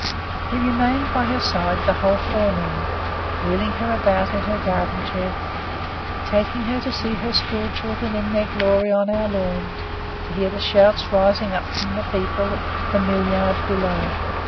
He remained by her side the whole forenoon wheeling her about in her garden chair; taking her to see her school children in their glory on our lawn to hear the shouts rising up from the people at the mill yard below.